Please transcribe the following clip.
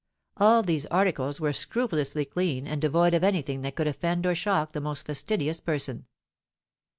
All these articles were scrupulously clean and devoid of anything that could offend or shock the most fastidious person.